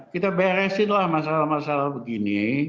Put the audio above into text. kita beresinlah masalah masalah begini